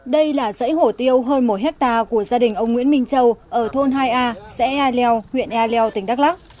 đây là dãy hổ tiêu hơn một hectare của gia đình ông nguyễn minh châu ở thôn hai a xã ea leo huyện ea leo tỉnh đắk lắc